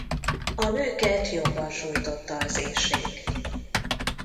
A nőket jobban sújtotta az éhség.